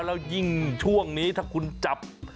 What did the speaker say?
แล้วยิ่งช่วงนี้ถ้าคุณจับ